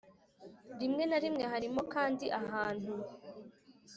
Rimwe na rimwe harimo kandi ahantu